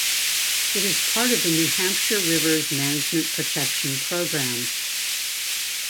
It is part of the New Hampshire Rivers Management Protection Program.